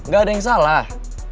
gak ada yang salah